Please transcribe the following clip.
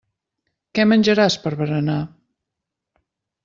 Què menjaràs per berenar.